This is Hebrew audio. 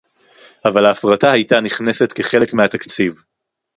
אבל ההפרטה היתה נכנסת כחלק מהתקציב